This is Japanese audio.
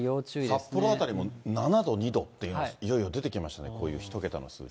札幌辺りも７度、２度といよいよ出てきましたね、こういう１桁の数字。